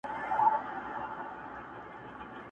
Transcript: چي ما در کړه، خداى دې در کړي.